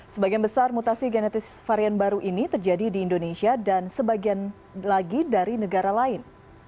sebagian besar mutasi genetis varian baru ini terjadi di indonesia dan sebagian lagi dari negara lain